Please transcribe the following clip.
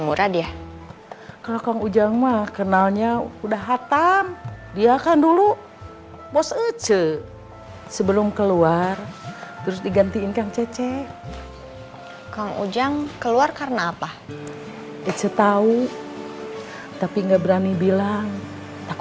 ternyata kang ujang sendiri tidak pernah bilang ke ece terus ece juga tidak berani nanya